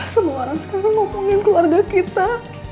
semua orang sekarang ngomongin keluarga kita